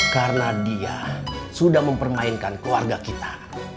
karena dia sudah mempermainkan keluarga kita